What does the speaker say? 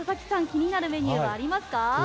気になるメニューはありますか？